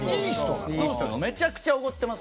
めちゃくちゃおごっています。